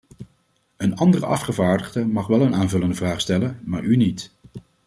Een andere afgevaardigde mag wel een aanvullende vraag stellen, maar u niet.